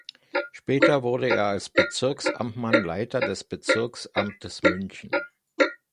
Später wurde er als Bezirksamtmann Leiter des Bezirksamtes München.